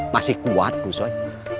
masih kuat kusoy